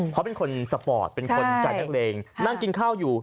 เขาเป็นคนสปอร์ตเป็นคนใจนักเลงนั่งกินข้าวอยู่